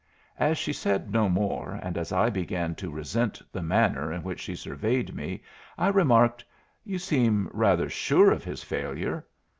As she said no more and as I began to resent the manner in which she surveyed me, I remarked, "You seem rather sure of his failure."